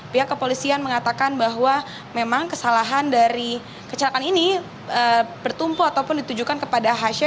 pihak kepolisian mengatakan bahwa memang kesalahan dari kecelakaan ini bertumpu ataupun ditujukan kepada hasha